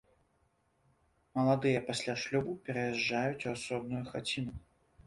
Маладыя пасля шлюбу пераязджаюць у асобную хаціну.